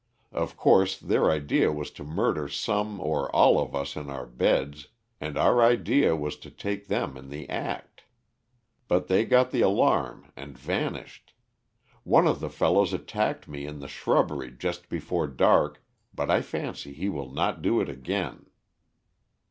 Of course their idea was to murder some or all of us in our beds, and our idea was to take them in the act. But they got the alarm and vanished. One of the fellows attacked me in the shrubbery just before dark, but I fancy he will not do it again."